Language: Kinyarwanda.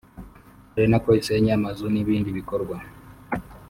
ari nako isenya amazu n’ibindi bikorwa